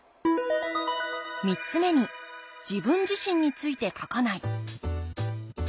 ３つ目に「自分自身について書かない」。